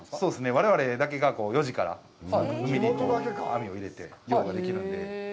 我々だけが４時から海に網を入れて漁ができるんで。